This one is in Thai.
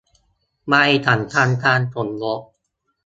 ใบสำคัญการสมรส